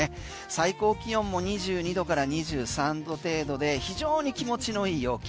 最高気温も２２度から２３度程度で非常に気持ちの良い陽気。